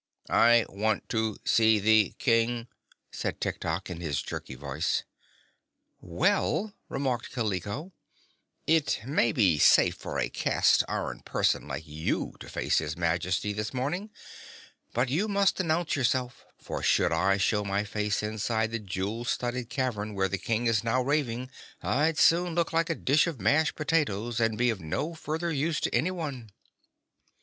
"I want to see the King," said Tiktok, in his jerky voice. "Well," remarked Kaliko, "it may be safe for a cast iron person like you to face his Majesty this morning; but you must announce yourself, for should I show my face inside the jewel studded cavern where the King is now raving, I'd soon look like a dish of mashed potatoes, and be of no further use to anyone."